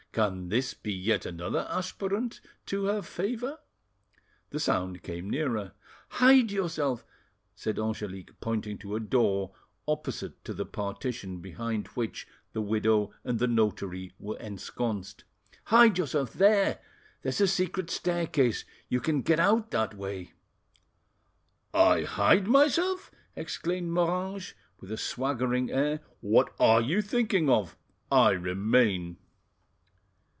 "Can this be yet another aspirant to her favour?" The sound came nearer. "Hide yourself!" said Angelique, pointing to a door opposite to the partition behind which the widow and the notary were ensconced. "Hide yourself there!—there's a secret staircase—you can get out that way." "I hide myself!" exclaimed Moranges, with a swaggering air. "What are you thinking of? I remain."